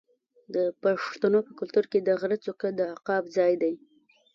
د پښتنو په کلتور کې د غره څوکه د عقاب ځای دی.